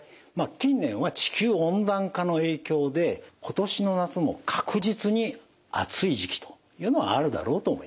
近年は地球温暖化の影響で今年の夏も確実に暑い時期というのはあるだろうと思います。